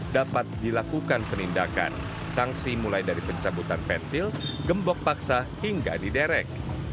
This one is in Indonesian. dapat dilakukan penindakan sangsi mulai dari pencabutan petil gembok paksa hingga di derek